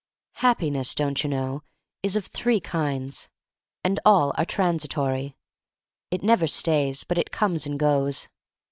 HAPPINESS, don't you know, is of three kinds — and all are tran sitory. It never stays, but it comes and goes.